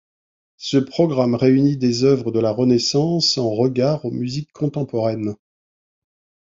Ce programme réunit des œuvres de la Renaissance en regard aux musiques contemporaines.